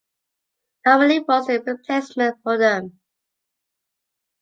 Tommy Lee was the replacement for them.